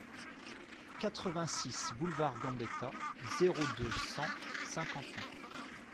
quatre-vingt-six boulevard Gambetta, zéro deux, cent, Saint-Quentin